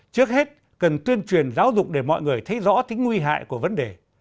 trước hết cần tuyên truyền giáo dục để mọi người thấy rõ tính nguy hại của vấn đề